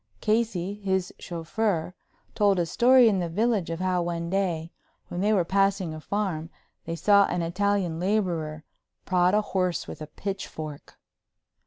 Casey, his chauffeur, told a story in the village of how one day, when they were passing a farm, they saw an Italian laborer prod a horse with a pitchfork.